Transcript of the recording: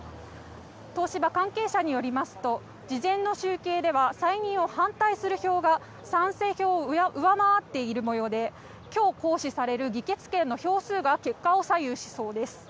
東芝関係者によりますと事前の集計では再任を反対する票が賛成票を上回っている模様で今日、行使される議決権の票数が結果を左右しそうです。